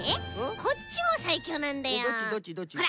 こっちもさいきょうなんだよ。ほら！